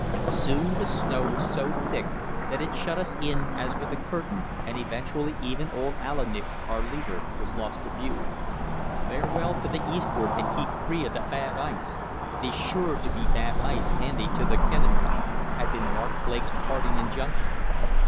Soon the snow was so thick that it shut us in as with a curtain, and eventually even old Aillik, our leader, was lost to view. "Bear well t' th' east'ard, an' keep free o' th' bad ice; the's sure t' be bad ice handy t' th' Kenemish," had been Mark Blake's parting injunction.